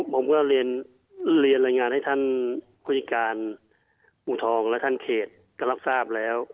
ผมก็เรียนรายงานให้ท่านผู้จัดการอูทองและท่านเขตก็รับทราบแล้ว